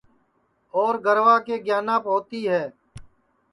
اور گَروا کے گیاناپ ہوتی ہے